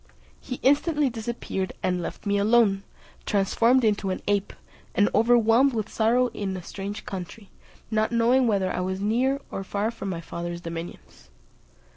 He instantly disappeared, and left me alone, transformed into an ape, and overwhelmed with sorrow in a strange country, not knowing whether I was near or far from my father's dominions.